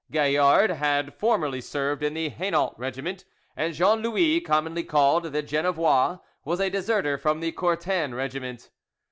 Gaillard had formerly served in the Hainault regiment; and Jean Louis, commonly called "the Genevois," was a deserter from the Courten regiment.